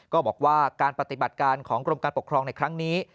ก็บอกว่าการปฏิบัติการของกรมการปกครองในครั้งนี้